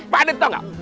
pak deh tau gak